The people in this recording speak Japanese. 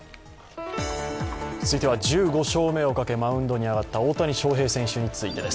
続いては１５勝目をかけマウンドに上がった大谷翔平選手について。